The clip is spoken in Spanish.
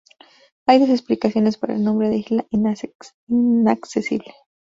Hay dos explicaciones para el nombre de isla Inaccesible.